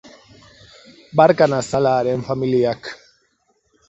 Barka nazala haren familiak.